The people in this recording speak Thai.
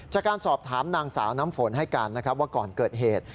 จากการสอบถามนางสาวน้ำฝนให้การนะครับว่าก่อนเกิดเหตุ